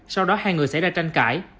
sau đó hai người xảy ra tranh cãi